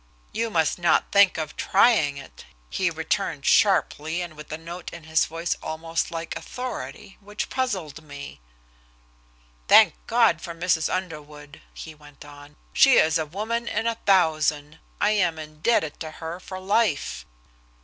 "You must not think of trying it," he returned sharply, and with a note in his voice, almost like authority, which puzzled me. "Thank God for Mrs. Underwood!" he went on. "She is a woman in a thousand. I am indebted to her for life."